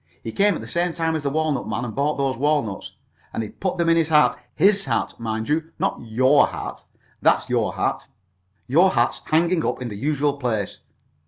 He came at the same time as the walnut man, and bought those walnuts. And he put them in his hat. His hat, mind you, not your hat. Your hat's hanging up in the usual place.